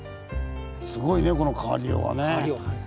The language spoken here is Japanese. すごいねこの変わりようはね。